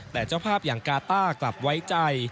แต่เจ้าภาพอย่างกาต้ากลับไว้ใจ